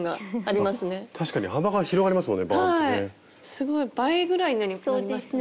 すごい倍ぐらいになりますね。